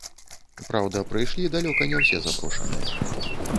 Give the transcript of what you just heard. Праўда, прыйшлі далёка не ўсе запрошаныя.